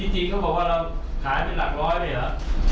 จริงเขาบอกว่าเราขายเป็นหลักร้อยเลยเหรอ